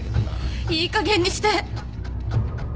いいかげんにして！